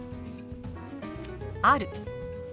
「ある」。